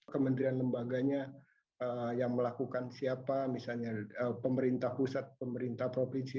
kementerian lembaganya yang melakukan siapa misalnya pemerintah pusat pemerintah provinsi